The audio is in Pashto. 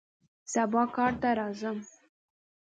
سبا کار ته راځم